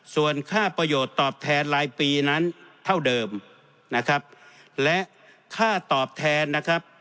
ส่วนค่าประโยชน์ตอบแทนรายปีนั้นเท่าเดิมนะครับและค่าตอบแทนนะครับ